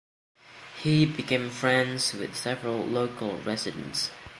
He became friends with several local residents.